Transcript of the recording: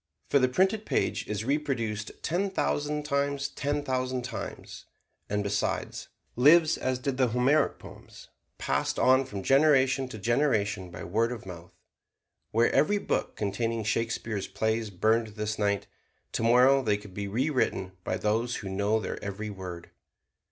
For the printed page is reproduced ten thousand times ten thousand times, and besides, lives as did the Homeric poems, passed on from generation to generation by word of mouth. Were every book containing Shakespeare's plays burned this night, tomorrow they could be rewritten by those who know their every word.